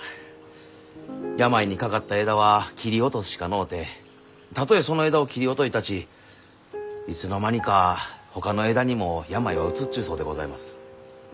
病にかかった枝は切り落とすしかのうてたとえその枝を切り落といたちいつの間にかほかの枝にも病はうつっちゅうそうでございます。